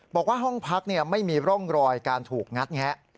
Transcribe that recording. บอกว่าห้องพักไม่มีร่องรอยการถูกงัดแงะ